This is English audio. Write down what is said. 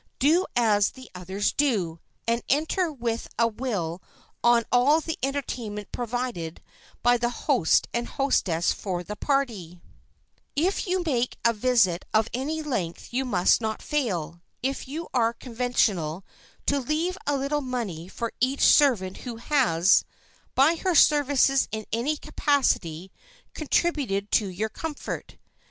Do as the others do, and enter with a will on all the entertainment provided by the host and hostess for the party. [Sidenote: THE QUESTION OF TIPS] If you make a visit of any length you must not fail, if you are conventional, to leave a little money for each servant who has, by her services in any capacity, contributed to your comfort.